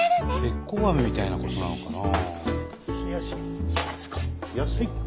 べっこうアメみたいなことなのかな？